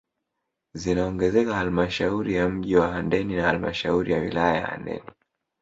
Zinaongezeka halmashauri ya mji wa Handeni na halmashauri ya wilaya ya Handeni